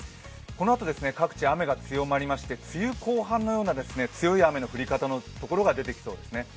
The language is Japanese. このあと、各地雨が強まりまして梅雨後半のような強い雨の降り方のところが出てきそうですね。